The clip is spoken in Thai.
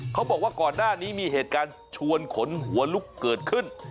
เขาบอกว่าก่อนหน้านี้มีเหตุการณ์ชวนขนหัวลุกเกิดขึ้น